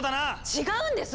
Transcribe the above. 違うんです！